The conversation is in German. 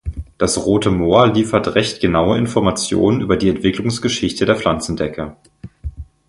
Das Rote Moor liefert recht genaue Informationen über die Entwicklungsgeschichte der Pflanzendecke.